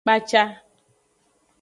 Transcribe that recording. Kpaca.